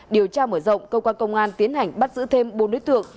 điều tra mở rộng cơ quan công an tiến hành bắt giữ thêm bốn đối tượng